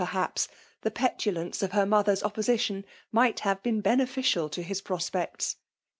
perhaps, the x)etulance of her itioihev s oppp^ition migbt have been beneficial to his proqi^ts.